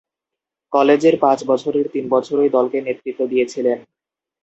কলেজের পাঁচ বছরের তিন বছরই দলকে নেতৃত্ব দিয়েছেন।